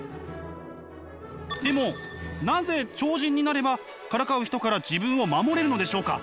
でもなぜ超人になればからかう人から自分を守れるのでしょうか？